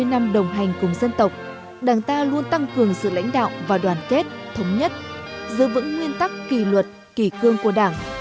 bảy mươi năm đồng hành cùng dân tộc đảng ta luôn tăng cường sự lãnh đạo và đoàn kết thống nhất giữ vững nguyên tắc kỳ luật kỳ cương của đảng